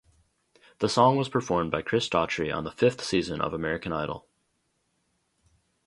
The song was performed by Chris Daughtry on the fifth season of "American Idol".